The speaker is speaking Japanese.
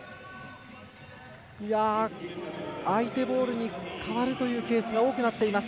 相手ボールに変わるというケースが多くなっています。